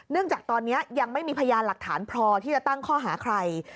จากตอนนี้ยังไม่มีพยานหลักฐานพอที่จะตั้งข้อหาใคร